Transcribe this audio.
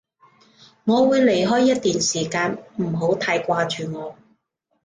我會離開一段時間，唔好太掛住我